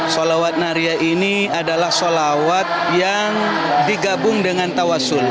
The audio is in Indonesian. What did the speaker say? salawat nariah ini adalah salawat yang digabung dengan tawassul